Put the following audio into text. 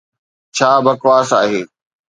!ڇا بڪواس آهي